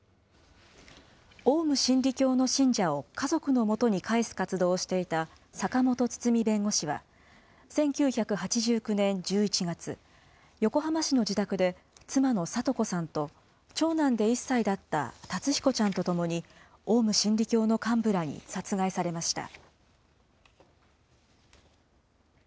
オウム真理教の信者を家族のもとに返す活動をしていた坂本堤弁護士は、１９８９年１１月、横浜市の自宅で妻の都子さんと長男で１歳だった龍彦ちゃんとともに、オウム真理教の幹部らに殺害されました。